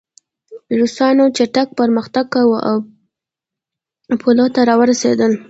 روسانو چټک پرمختګ کاوه او پولو ته راورسېدل